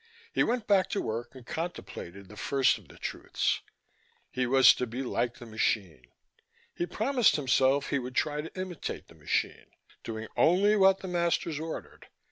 He went back to work and contemplated the first of the truths: he was to be like the machine. He promised himself he would try to imitate the machine, doing only what the masters ordered.